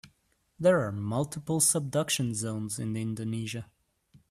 There are multiple subduction zones in Indonesia.